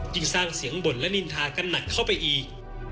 สร้างเสียงบ่นและนินทากันหนักเข้าไปอีก